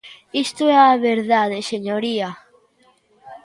Isto é a verdade, señoría.